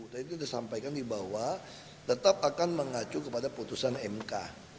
tadi kita sampaikan di bawah tetap akan mengacu kepada putusan mk